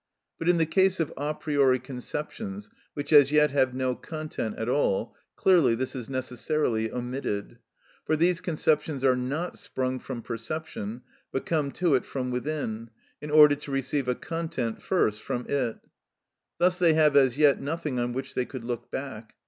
But in the case of a priori conceptions which as yet have no content at all, clearly this is necessarily omitted. For these conceptions are not sprung from perception, but come to it from within, in order to receive a content first from it. Thus they have as yet nothing on which they could look back.